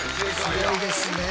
すごいですね。